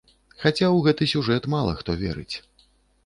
Хаця ў гэты сюжэт мала хто верыць.